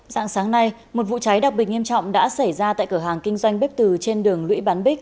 dạng sáng nay một vụ cháy đặc biệt nghiêm trọng đã xảy ra tại cửa hàng kinh doanh bếp từ trên đường lũy bán bích